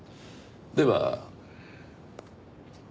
では。